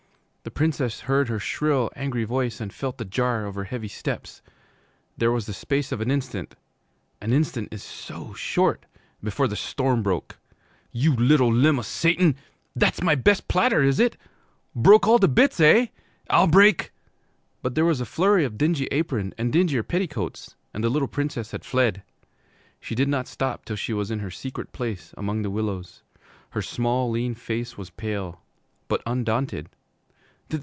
The Princess heard her shrill, angry voice, and felt the jar of her heavy steps. There was the space of an instant an instant is so short! before the storm broke. 'You little limb o' Satan! That's my best platter, is it? Broke all to bits, eh? I'll break' But there was a flurry of dingy apron and dingier petticoats, and the little Princess had fled. She did not stop till she was in her Secret Place among the willows. Her small lean face was pale, but undaunted.